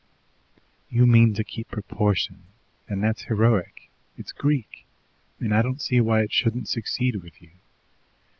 "You mean to keep proportion, and that's heroic, it's Greek, and I don't see why it shouldn't succeed with you.